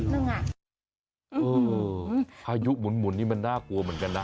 พายุหมุนนี่มันน่ากลัวเหมือนกันนะ